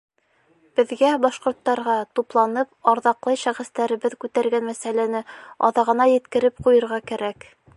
Беҙгә, башҡорттарға, тупланып, арҙаҡлы шәхестәребеҙ күтәргән мәсьәләне аҙағына еткереп ҡуйырға кәрәк.